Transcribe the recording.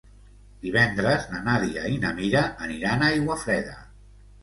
Divendres na Nàdia i na Mira aniran a Aiguafreda.